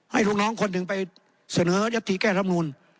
ให้ลูกน้องครึ่งไปเสนอยฤทธิแก้รับนูน